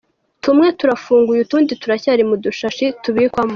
Tumwe turafunguye utundi turacyari mu dushashi tubikwamo.